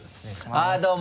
あぁどうも。